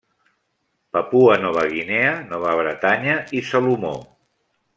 Papua Nova Guinea, Nova Bretanya i Salomó.